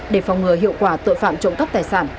để phòng ngừa hiệu quả tội phạm trộm cắp tài sản